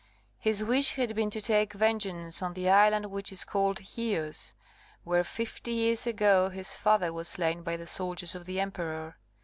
His wish had been to take vengeance on the island which is called Chios, where fifty years ago his father was slain by the soldiers of the Emperor.